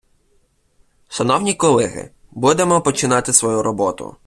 Шановні колеги, будемо починати свою роботу.